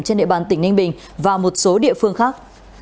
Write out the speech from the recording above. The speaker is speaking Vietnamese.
trên địa bàn tỉnh ninh bình và một số địa phương khác